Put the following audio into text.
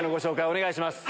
お願いします。